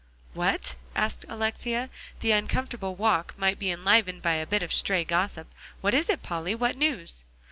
"What?" asked Alexia; the uncomfortable walk might be enlivened by a bit of stray gossip; "what is it, Polly? What news?"